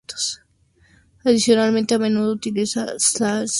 Adicionalmente, a menudo utiliza slash chords, agarrando la cuerda de bajos.